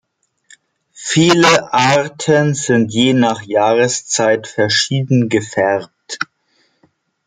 Viele Arten sind je nach Jahreszeit verschieden gefärbt.